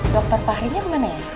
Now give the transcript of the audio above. dokter fahri nya kemana ya